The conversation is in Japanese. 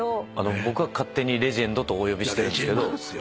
僕は勝手にレジェンドとお呼びしてるんですけど。